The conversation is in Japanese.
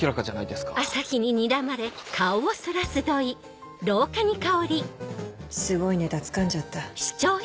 すごいネタつかんじゃった。